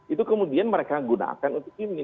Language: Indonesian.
itu kemudian mereka gunakan untuk ini